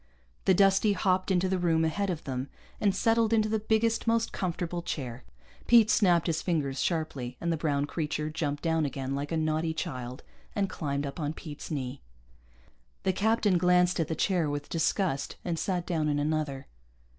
The Dustie hopped into the room ahead of them and settled into the biggest, most comfortable chair. Pete snapped his fingers sharply, and the brown creature jumped down again like a naughty child and climbed up on Pete's knee. The captain glanced at the chair with disgust and sat down in another.